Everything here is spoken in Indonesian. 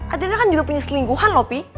atrina kan juga punya selingkuhan loh pi